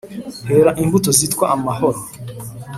Hera imbuto zitwa amahoro